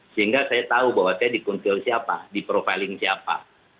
sehingga saya tahu bahwa saya di confiling siapa di profiling siapa